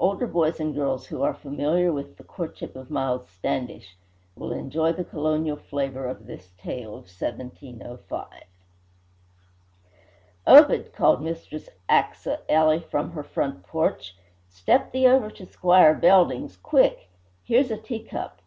Older boys and girls who are familiar with "The Courtship of Miles Standish" will enjoy the colonial flavour of this tale of 1705. "Obed!" called Mistress Achsah Ely from her front porch, "step thee over to Squire Belding's, quick! Here's a teacup!